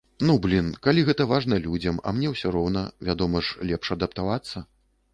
Ну, блін, калі гэта важна людзям, а мне ўсё роўна, вядома ж, лепш адаптавацца.